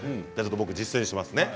実践しますね。